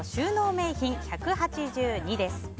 名品１８２です。